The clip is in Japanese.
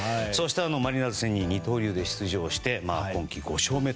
マリナーズ戦に二刀流で出場して今季５勝目。